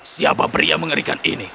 siapa pria mengerikan ini